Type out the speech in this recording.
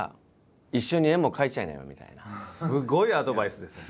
すごいアドバイスですね。